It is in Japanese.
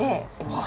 ああ